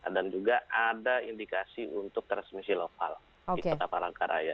dan juga ada indikasi untuk transmisi lokal di kota palangkaraya